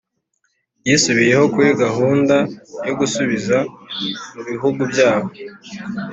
yisubiyeho kuri gahunda yo gusubiza mu bihugu byabo